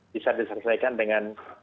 bisa diselesaikan dengan